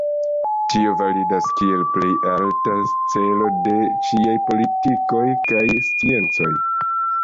Tio validas kiel plej alta celo de ĉiaj politikoj kaj sciencoj.